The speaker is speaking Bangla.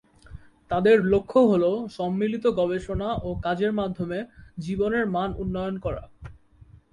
তাদের লক্ষ্য হল সম্মিলিত গবেষণা ও কাজের মাধ্যমে জীবনের মান উন্নয়ন করা।